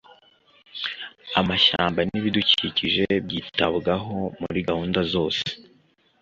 Amashyamba n’ibidukikije byitabwaho muri gahunda zose